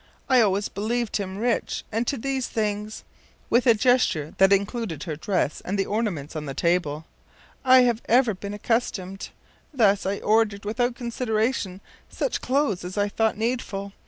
I always believed him rich, and to these things,” with a gesture that included her dress and the ornaments on the table, “I have ever been accustomed. Thus I ordered without consideration such clothes as I thought needful.